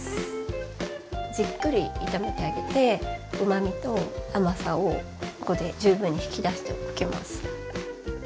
じっくり炒めてあげてうまみと甘さをここで十分に引き出しておきます。